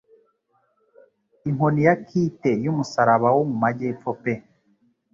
inkoni ya kite y'umusaraba wo mu majyepfo pe